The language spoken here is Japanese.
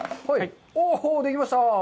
おー、できました。